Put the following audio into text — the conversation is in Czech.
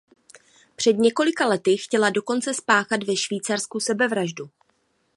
Před několika lety chtěla dokonce spáchat ve Švýcarsku sebevraždu.